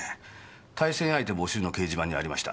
対戦相手募集の掲示板にありました。